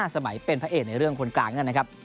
สมัยเป็นพระเอกในเรื่องคนกลางนั่นนะครับ